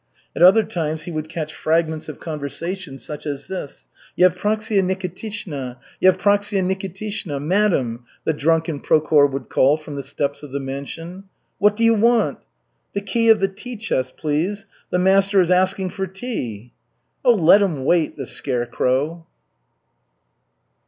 At other times he would catch fragments of conversation such as this: "Yevpraksia Nikitishna! Yevpraksia Nikitishna! Madam!" the drunken Prokhor would call from the steps of the mansion. "What do you want?" "The key of the tea chest, please. The master is asking for tea." "Let him wait, the scarecrow!"